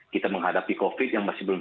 kita menghadapi covid yang masih belum